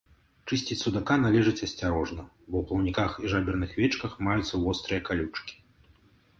Чысціць судака належыць асцярожна, бо ў плаўніках і жаберных вечках маюцца вострыя калючкі.